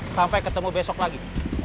sampai ketemu besok lagi